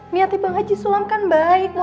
niatnya bang haji sulam kan baik